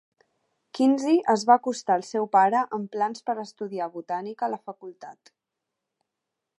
Kinsey es va acostar al seu pare amb plans per estudiar botànica a la facultat.